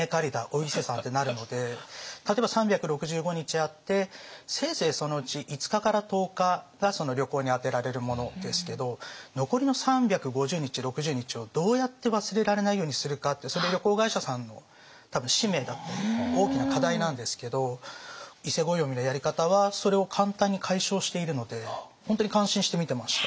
例えば３６５日あってせいぜいそのうち５日から１０日が旅行に充てられるものですけど残りの３５０日３６０日をどうやって忘れられないようにするかってそれ旅行会社さんの多分使命だったり大きな課題なんですけど伊勢暦のやり方はそれを簡単に解消しているので本当に感心して見てました。